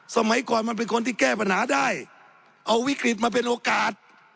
สมัยก่อนมันเป็นคนที่แก้ปัญหาได้เอาวิกฤตมาเป็นโอกาส